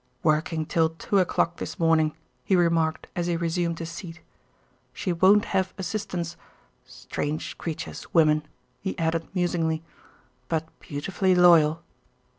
"Working till two o'clock this morning," he remarked as he resumed his seat. "She won't have assistance. Strange creatures, women," he added musingly, "but beautifully loyal."